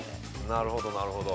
なるほどなるほど。